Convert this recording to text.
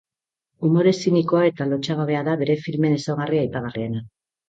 Umore zinikoa eta lotsagabea da bere filmen ezaugarri aipagarriena.